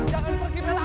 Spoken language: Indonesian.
jangan pergi bella